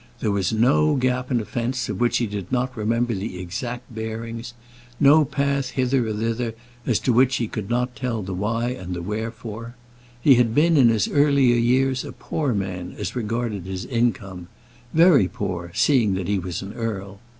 There was no gap in a fence of which he did not remember the exact bearings, no path hither or thither as to which he could not tell the why and the wherefore. He had been in his earlier years a poor man as regarded his income, very poor, seeing that he was an earl.